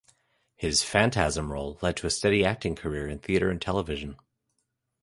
His "Phantasm" role led to a steady acting career in theater and television.